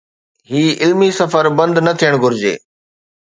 هي علمي سفر بند نه ٿيڻ گهرجي.